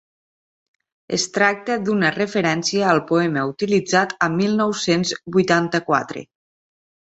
Es tracta d'una referència al poema utilitzat a "Mil nou-cents vuitanta-quatre".